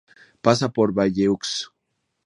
Pasa por Bayeux.